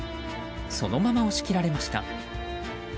そのまま押し切られました。